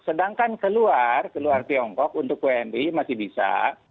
sedangkan keluar keluar tiongkok untuk wni masih bisa